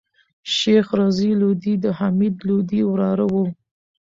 شېخ رضي لودي دحمید لودي وراره وو.